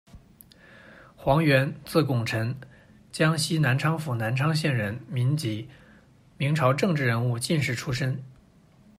黄垣，字拱辰，江西南昌府南昌县人，民籍，明朝政治人物、进士出身。